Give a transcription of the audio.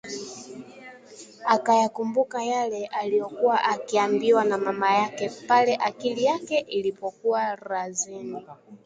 Akayakumbuka yale aliyokuwa akiambiwa na mama yake pale akili yake ilipokuwa razini